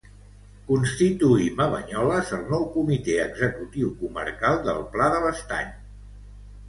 Constituïm a Banyoles el nou Comitè Executiu Comarcal del Pla de l'Estany